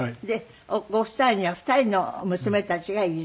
ご夫妻には２人の娘たちがいる。